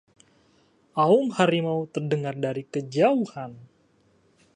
aum harimau terdengar dari kejauhan